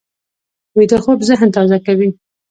ویده خوب ذهن تازه کوي